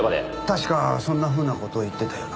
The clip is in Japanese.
確かそんなふうな事を言ってたような。